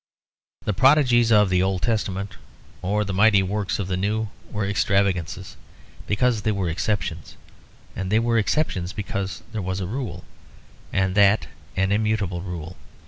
The prodigies of the Old Testament or the mighty works of the New were extravagances because they were exceptions; and they were exceptions because there was a rule, and that an immutable rule.